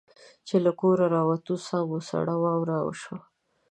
چې له کوره را ووتو ساه مو سړه واوره شوه.